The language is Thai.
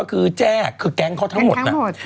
แก๊กแก๊งเขาทั้งหมด